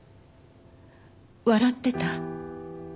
笑ってた？